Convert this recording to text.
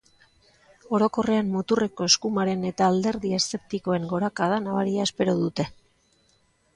Orokorrean, muturreko eskumaren eta alderdi eszeptikoen gorakada nabaria espero dute.